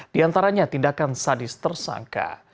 di antaranya tindakan sadis tersangka